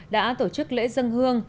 đã tổ chức lễ dân hương